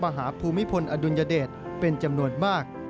ภูมิพลอดุลยเดชเป็นจำนวนมาก